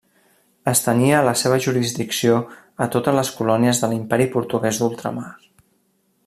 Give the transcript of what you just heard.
Estenia la seva jurisdicció a totes les colònies de l'Imperi portuguès d'ultramar.